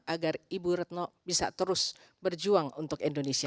agar ibu retno bisa terus berjuang untuk indonesia